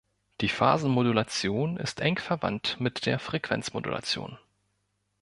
Die Phasenmodulation ist eng verwandt mit der Frequenzmodulation.